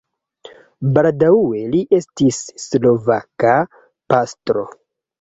Baldaŭe li estis slovaka pastro.